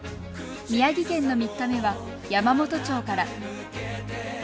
宮城県の３日目は山元町から。